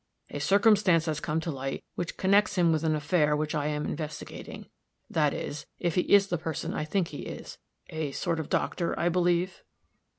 A circumstance has come to light which connects him with an affair which I am investigating that is, if he is the person I think he is a sort of a doctor, I believe?"